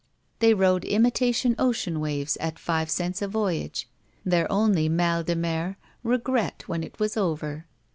They rode imitation ocean waves at five cents a voyage, their only tnal de tner, r6gret when it was over.